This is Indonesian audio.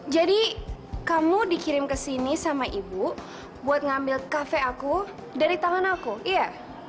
jadi kamu dikirim kesini sama ibu buat ngambil kafe aku dari tangan aku iya